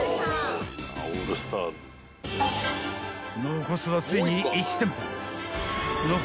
［残すはついに１店舗］